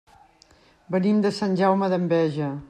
Venim de Sant Jaume d'Enveja.